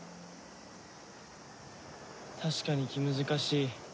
確かに気難しい。